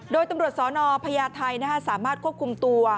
โดยตำรวจสนพญาไทยสามารถควบคุมตัว